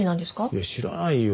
いや知らないよ。